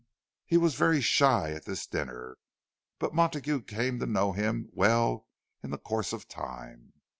He was very shy at this dinner; but Montague came to know him well in the course of time.